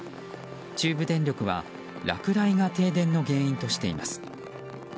中部電力は落雷が停電の原因としています。